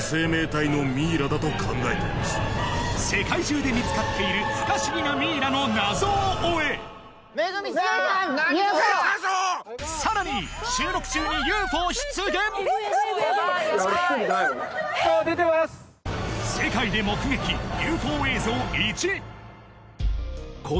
世界中で見つかっている不可思議なミイラの謎を追えさらに近寄ったえっ！？